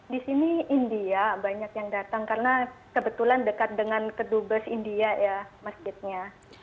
di sini india banyak yang datang karena kebetulan dekat dengan kedubes india ya masjidnya